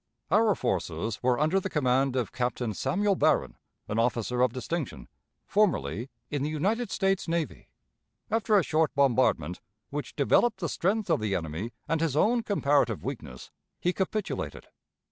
Our forces were under the command of Captain Samuel Barron, an officer of distinction, formerly in the United States Navy. After a short bombardment, which developed the strength of the enemy and his own comparative weakness, he capitulated.